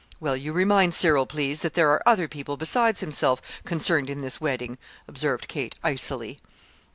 "Well, you remind Cyril, please, that there are other people besides himself concerned in this wedding," observed Kate, icily.